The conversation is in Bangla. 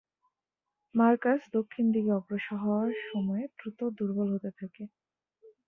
মার্কাস দক্ষিণ দিকে অগ্রসর হওয়ার সময়ে দ্রুত দুর্বল হতে থাকে।